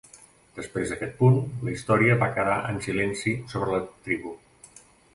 Després d'aquest punt, la història va quedar en silenci sobre la tribu.